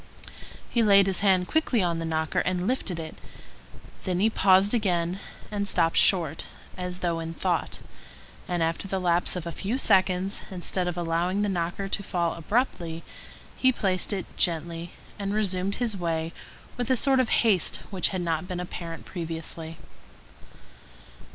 He laid his hand quickly on the knocker and lifted it; then he paused again and stopped short, as though in thought, and after the lapse of a few seconds, instead of allowing the knocker to fall abruptly, he placed it gently, and resumed his way with a sort of haste which had not been apparent previously.